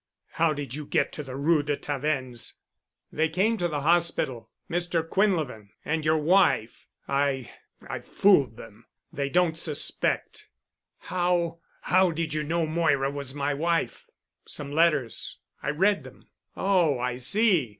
"How did you get to the Rue de Tavennes?" "They came to the hospital—Mr. Quinlevin and—and your wife. I—I fooled them. They don't suspect." "How—how did you know Moira was my wife?" "Some letters. I read them." "Oh, I see.